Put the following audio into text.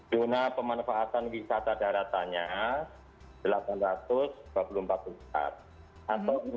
zona pemanfaatan wisata daratannya delapan ratus dua puluh empat hektare